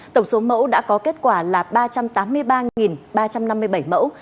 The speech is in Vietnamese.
tổng số mẫu đã có kết quả là ba trăm tám mươi ba ba trăm năm mươi bảy mẫu